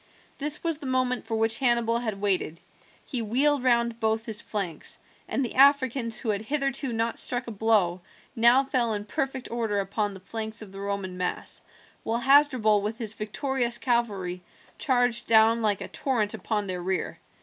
This was the moment for which Hannibal had waited. He wheeled round both his flanks, and the Africans, who had hitherto not struck a blow, now fell in perfect order upon the flanks of the Roman mass, while Hasdrubal with his victorious cavalry charged down like a torrent upon their rear.